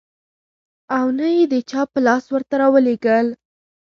او نه يې د چا په لاس ورته راولېږل .